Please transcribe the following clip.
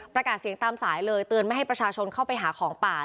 ประกาศเสียงตามสายเลยเตือนไม่ให้ประชาชนเข้าไปหาของป่า